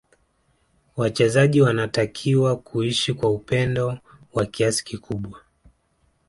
Wachezaji wanatakiwa kuishi kwa upendo wa kiasi kikubwa